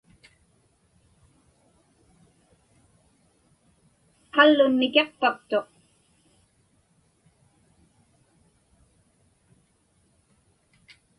Qallun mikiqpaktuq.